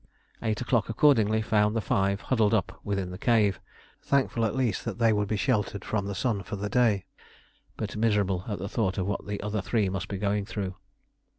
Eight o'clock accordingly found the five huddled up within the cave, thankful at least that they would be sheltered from the sun for the day, but miserable at the thought of what the other three must be going through.